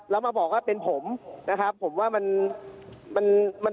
แล้วมาบอกว่าเป็นผมนะครับผมว่ามันตลกแล้วนะครับ